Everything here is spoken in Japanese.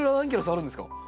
あるんです。